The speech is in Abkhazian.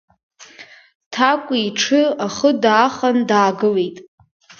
Ҭакәи иҽы ахы даахан даагылеит.